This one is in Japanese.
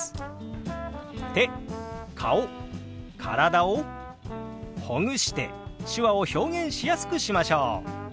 手顔体をほぐして手話を表現しやすくしましょう！